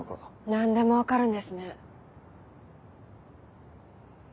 何でも分かるんですね。